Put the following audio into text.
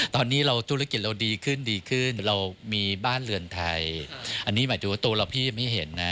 ตอนนี้เราธุรกิจเราดีขึ้นดีขึ้นเรามีบ้านเรือนไทยอันนี้หมายถึงว่าตัวเราพี่ไม่เห็นนะ